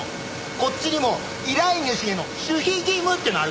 こっちにも依頼主への守秘義務ってのがあるから。